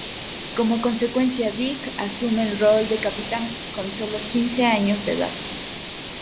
Como consecuencia, Dick asume el rol de capitán, con sólo quince años de edad.